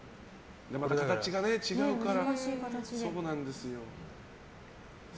また形が違うから。